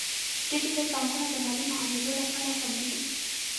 ډیجیټل بانکونه د مالي معاملو لپاره خوندي دي.